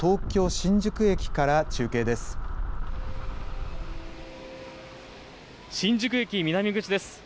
新宿駅南口です。